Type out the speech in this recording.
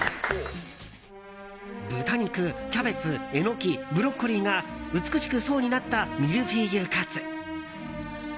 豚肉、キャベツエノキ、ブロッコリーが美しく層になったミルフィーユかつ。